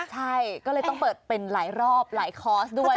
ใช่ก็เลยต้องเปิดเป็นหลายรอบหลายคอร์สด้วย